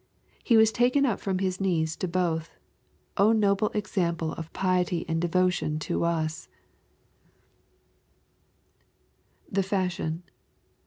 He was taken up from His knees to both. noble example of piety and devotion to us 1" [The fashion.'